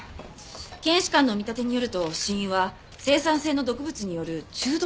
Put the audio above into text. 検視官の見立てによると死因は青酸性の毒物による中毒死だろうと。